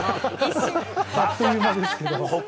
あっという間ですけど。